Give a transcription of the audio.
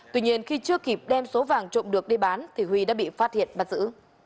tuy nhiên khi chưa kịp đem số vàng trộm được đi bán thì huy đã bị phát hiện bắt giữ